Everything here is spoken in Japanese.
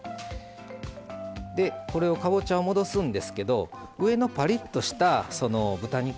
でこれをかぼちゃを戻すんですけど上のパリッとした豚肉